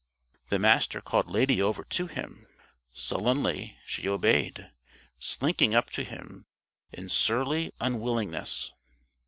The Master called Lady over to him. Sullenly she obeyed, slinking up to him in surly unwillingness.